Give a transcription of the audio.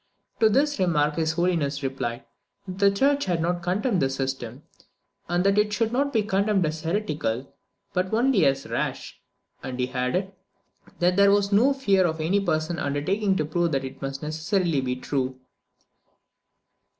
To this remark his Holiness replied "that the church had not condemned this system; and that it should not be condemned as heretical, but only as rash;" and he added, "that there was no fear of any person undertaking to prove that it must necessarily be true."